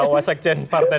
wassak chain partai